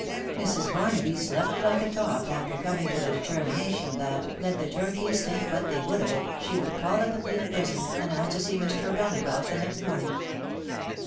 Mrs. Barnaby slept like a top after coming to the determination that, let the turnkeys think what they would of it, she would call at the Fleet Prison, and ask to see Mr. O'Donagough the following morning.